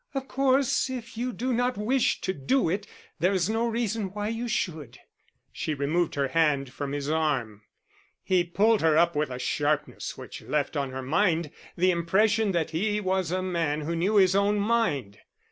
"Of course, if you do not wish to do it, there is no reason why you should." She removed her hand from his arm. He pulled her up with a sharpness which left on her mind the impression that he was a man who knew his own mind.